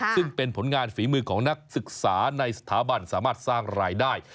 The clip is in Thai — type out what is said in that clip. ซึ่งเป็นผลงานฝีมือของนักศึกษาในสถาบันสามารถสร้างรายได้